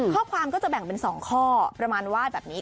ข้อความก็จะแบ่งเป็น๒ข้อประมาณว่าแบบนี้